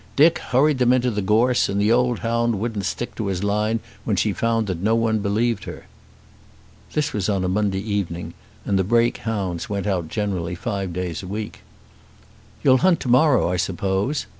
Dick hurried them into the gorse, and the old hound wouldn't stick to his line when she found that no one believed her." This was on a Monday evening, and the Brake hounds went out generally five days a week. "You'll hunt to morrow, I suppose?"